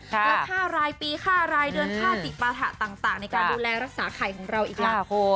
แล้วค่ารายปีค่ารายเดือนค่าจิปาถะต่างในการดูแลรักษาไข่ของเราอีกแล้ว